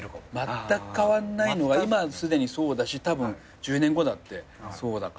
まったく変わんないのは今すでにそうだしたぶん１０年後だってそうだから。